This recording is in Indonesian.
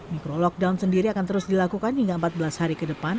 micro lockdown sendiri akan terus dilakukan hingga empat belas hari ke depan